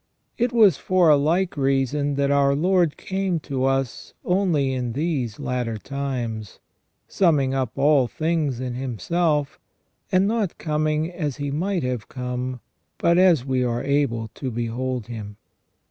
It was for a like reason that our Lord came to us only in these latter times, summing up all things in Himself, and not coming as He might have come, but as we are able to behold Him.